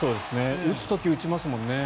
打つ時、打ちますもんね。